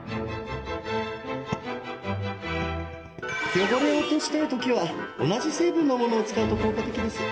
汚れを落としたい時は同じ成分のものを使うと効果的です。